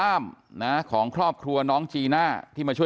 นางนาคะนี่คือยายน้องจีน่าคุณยายถ้าแท้เลย